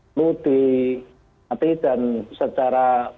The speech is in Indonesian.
perlu dimatikan dan secara